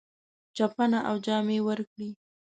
چپنه او جامې ورکړې.